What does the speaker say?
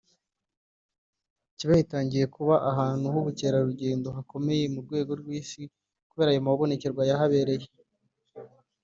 Kibeho itangiye kuba ahantu h’ubukerarugendo hakomeye mu rwego rw’isi kubera ayo mabonekerwa yahabereye